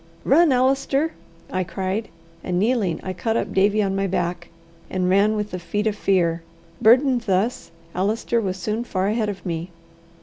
"Run, Allister!" I cried; and kneeling, I caught up Davie on my back, and ran with the feet of fear. Burdened thus, Allister was soon far ahead of me.